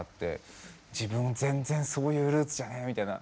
自分全然そういうルーツじゃねぇみたいな。